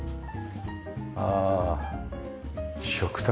ああ食卓